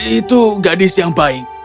itu gadis yang baik